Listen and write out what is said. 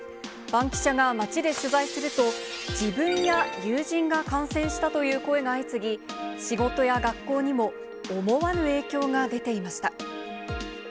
バンキシャが街で取材すると、自分や友人が感染したという声が相次ぎ、仕事や学校にも思わぬ影響が出ていました。